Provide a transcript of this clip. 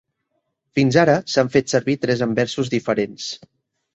Fins ara, s'han fet servir tres anversos diferents.